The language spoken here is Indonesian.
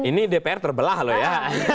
ini dpr terbelah loh ya